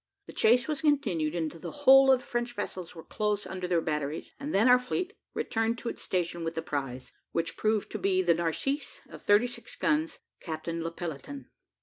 The chase was continued until the whole of the French vessels were close under their batteries, and then our fleet returned to its station with the prize, which proved to be the Narcisse, of thirty six guns, Captain Le Pelleteon.